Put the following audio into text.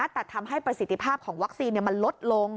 แต่ทำให้ประสิทธิภาพของวัคซีนมันลดลง